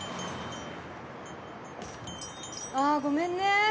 ああごめんね。